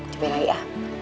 cobain lagi ya